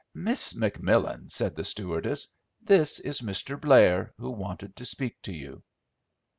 "Miss McMillan," said the stewardess, "this is Mr. Blair, who wanted to speak to you."